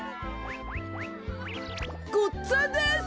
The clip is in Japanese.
ごっつぁんです！